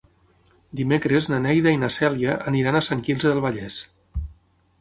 Dimecres na Neida i na Cèlia aniran a Sant Quirze del Vallès.